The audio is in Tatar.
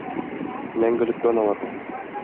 Мәңгелек дан аларга!